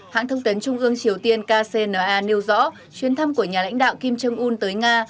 hãng thông tấn trung ương triều tiên kcna nêu rõ chuyến thăm của nhà lãnh đạo kim jong un tới nga